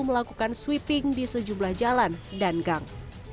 melakukan sweeping di sejumlah jalan dan gang